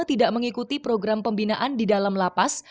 tidak mengikuti program pembinaan di dalam lapas